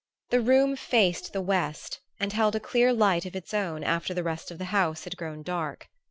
The room faced the west, and held a clear light of its own after the rest of the house had grown dark.